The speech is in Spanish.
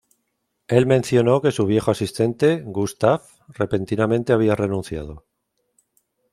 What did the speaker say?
El mencionó que su viejo asistente, Gustav, repentinamente había renunciado.